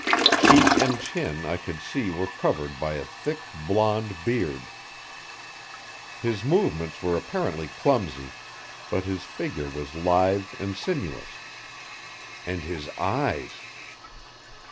Cheek and chin I could see were covered by a thick blond beard. His movements were apparently clumsy, but his figure was lithe and sinuous. And his eyes!